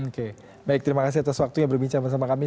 oke baik terima kasih atas waktunya berbincang bersama kami